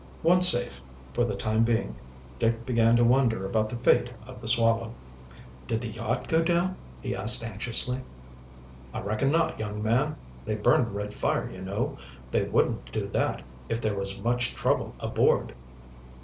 Once safe, for the time being, Dick began to wonder about the fate of the Swallow. "Did the yacht go down?" he asked anxiously. "I reckon not, young man. They burned red fire, you know. They wouldn't do that if there was much trouble aboard."